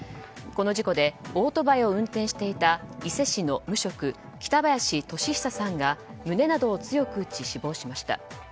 この事故でオートバイを運転していた伊勢市の無職、北林紀久さんが胸などを強く打ち死亡しました。